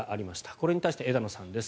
これに対して枝野さんです。